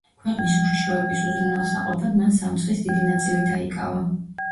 ქვეყნის უშიშროების უზრუნველსაყოფად მან სამცხის დიდი ნაწილი დაიკავა.